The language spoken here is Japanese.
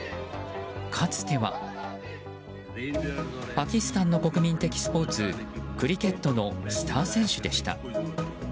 かつてはパキスタンの国民的スポーツクリケットのスター選手でした。